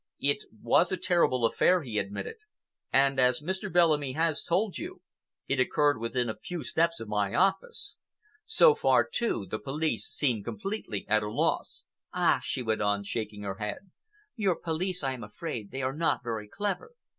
"It was a terrible affair," he admitted, "and, as Mr. Bellamy has told you, it occurred within a few steps of my office. So far, too, the police seem completely at a loss." "Ah!" she went on, shaking her head, "your police, I am afraid they are not very clever.